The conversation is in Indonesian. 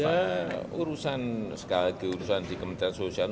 ya urusan sekali lagi urusan di kementerian sosial